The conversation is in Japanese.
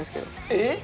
えっ？